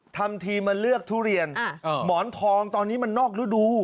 ทำทีมาเลือกทุเรียนหมอนทองตอนนี้มันนอกฤดู